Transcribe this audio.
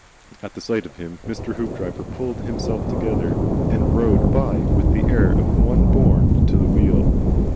At the sight of him Mr. Hoopdriver pulled himself together, and rode by with the air of one born to the wheel.